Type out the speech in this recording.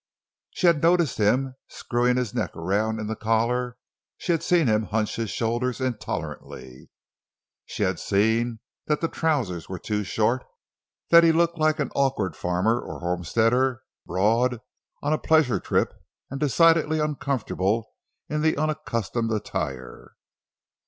She had noticed him screwing his neck around in the collar; she had seen him hunch his shoulders intolerantly; she had seen that the trousers were too short; that he looked like an awkward farmer or homesteader abroad on a pleasure trip, and decidedly uncomfortable in the unaccustomed attire.